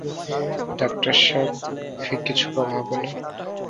Doctor সাব, fee কিছু কম হবেনা?